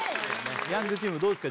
ヤングチームどうですか？